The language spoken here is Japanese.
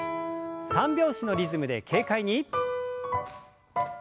３拍子のリズムで軽快に。